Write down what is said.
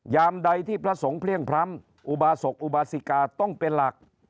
ยามใดที่พระสงฆ์เพลี่ยงพร้ำอุบาศกอุบาสิกาต้องเป็นหลัก